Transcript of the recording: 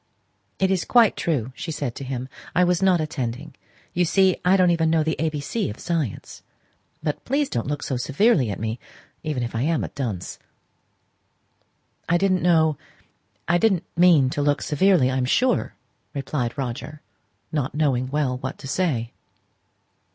"It is quite true!" she said to him. "I was not attending: you see I don't know even the A B C of science. But, please, don't look so severely at me, even if I am a dunce!" "I didn't know I didn't mean to look severely, I am sure," replied he, not knowing well what to say.